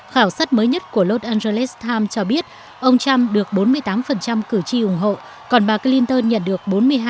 khảo sát mới nhất của los angeles times cho biết ông trump được bốn mươi tám cử tri ủng hộ còn bà clinton nhận được bốn mươi hai